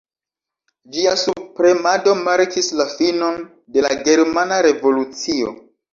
Ĝia subpremado markis la finon de la Germana Revolucio.